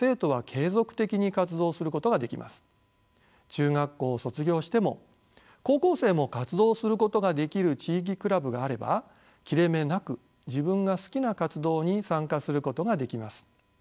中学校を卒業しても高校生も活動することができる地域クラブがあれば切れ目なく自分が好きな活動に参加することができます。